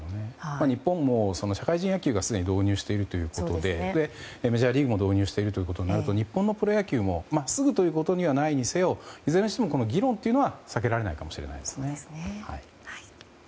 日本も社会人野球がすでに導入しているということでメジャーリーグも導入していることになると日本のプロ野球もすぐということにはないにしろいずれにせよ議論というのは避けられないかもしれないですね。